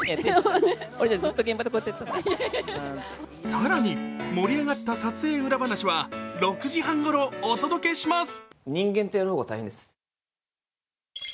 更に、盛り上がった撮影裏話は６時半ごろお届けします。